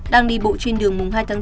đang đi bộ trên đường mùng hai tháng bốn